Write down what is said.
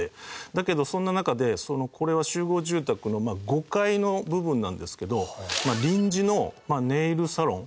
だけどそんな中でこれは集合住宅の５階の部分なんですけど臨時のネイルサロン。